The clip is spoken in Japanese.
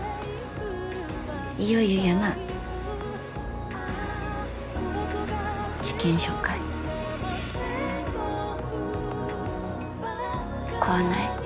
いよいよやな治験初回怖ない？